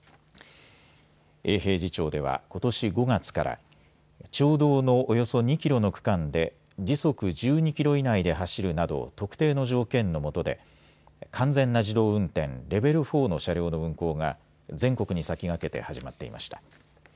永平寺町ではことし５月から町道のおよそ２キロの区間で時速１２キロ以内で走るなど特定の条件のもとで完全な自動運転レベル４の車両の運行が全国に先駆けて始まっていました。